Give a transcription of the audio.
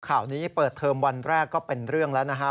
ข่าวนี้เปิดเทอมวันแรกก็เป็นเรื่องแล้วนะครับ